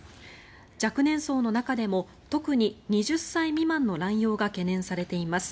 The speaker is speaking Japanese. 若年層の中でも特に２０歳未満の乱用が懸念されています。